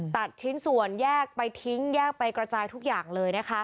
ตัดชิ้นส่วนแยกไปทิ้งแยกไปกระจายทุกอย่างเลยนะคะ